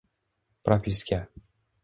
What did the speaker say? propiska.